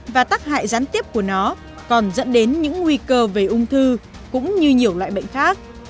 và tắc hại gián tiếp của nó còn dẫn đến những nguy cơ về ung thư cũng như nhiều loại bệnh khác